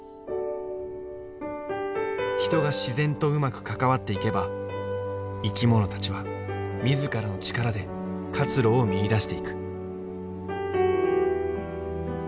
人が自然とうまく関わっていけば生き物たちは自らの力で活路を見いだしていく。